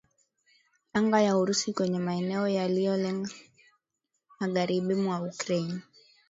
anga ya Urusi kwenye maeneo yaliyolenga magharibi mwa Ukraine